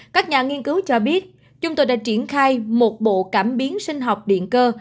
các nhà nghiên cứu cho biết chúng tôi đã triển khai một bộ cảm biến sinh học điện cơ